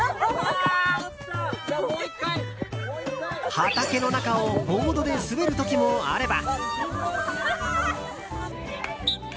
畑の中をボードで滑る時もあれば。